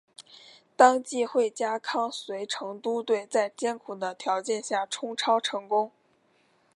当季惠家康随成都队在艰苦的条件下冲超成功。